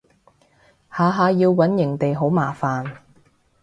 下下要搵營地好麻煩